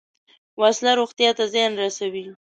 وسله روغتیا ته زیان رسوي